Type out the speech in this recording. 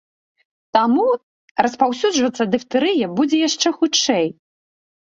Таму распаўсюджвацца дыфтэрыя будзе яшчэ хутчэй.